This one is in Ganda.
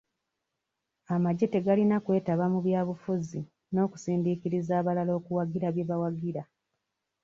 Amagye tegalina kwetaba mu bya bufuzi n'okusindiikiriza abalala okuwagira bye bawagira.